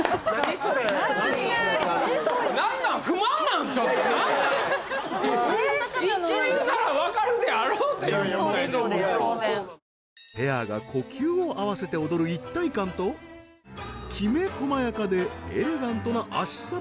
そうです当然ペアが呼吸を合わせて踊る一体感ときめ細やかでエレガントな足さばき